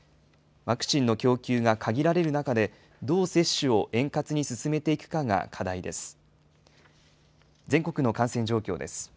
ワクチンの供給が限られる中で、どう接種を円滑に進めていくかが課題です。